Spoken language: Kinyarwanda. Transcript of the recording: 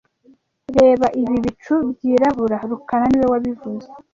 Reba ibi bicu byirabura rukara niwe wabivuze